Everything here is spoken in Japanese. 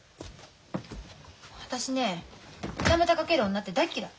私ね二股かける女って大っ嫌い。